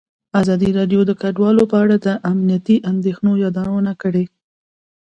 ازادي راډیو د کډوال په اړه د امنیتي اندېښنو یادونه کړې.